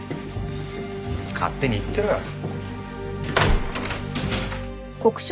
勝手に言ってろ。